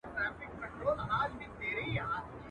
څه به وايي دا مخلوق او عالمونه؟.